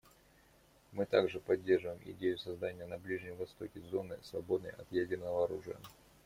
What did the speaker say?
Мы также поддерживаем идею создания на Ближнем Востоке зоны, свободной от ядерного оружия.